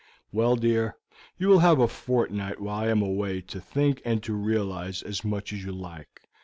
"Well, dear, you will have a fortnight while I am away to think and to realize as much as you like.